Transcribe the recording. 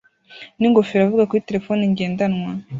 n'ingofero avuga kuri terefone ngendanwa